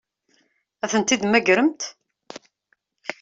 Ad tent-id-temmagremt?